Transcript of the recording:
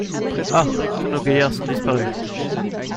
Ah ! tous nos gaillards sont disparus.